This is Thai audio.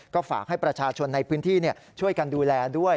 ก็ฝากให้ประชาชนในพื้นที่ช่วยกันดูแลด้วย